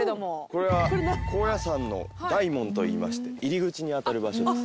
これは高野山の大門といいまして入り口にあたる場所です。